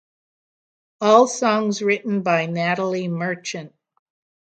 All songs written by Natalie Merchant.